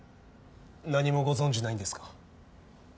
何もご存じないんですか？